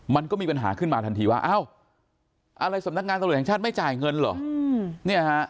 มันก็มีปัญหาขึ้นมาทันทีว่าเอ้าอะไรสำนักงานตำรวจแห่งชาติไม่จ่ายเงินเหรอ